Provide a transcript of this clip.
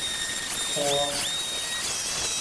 扦